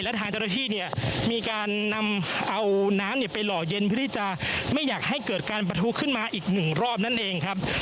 และทางเจ้าหน้าที่เนี่ยมีการนำเอาน้ำไปหล่อเย็นเพื่อที่จะไม่อยากให้เกิดการประทุขึ้นมาอีกหนึ่งรอบนั่นเองครับ